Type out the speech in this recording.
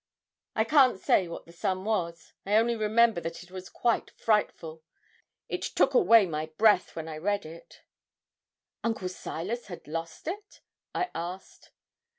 I can't say what the sum was. I only remember that it was quite frightful. It took away my breath when I read it.' 'Uncle Silas had lost it?' I asked.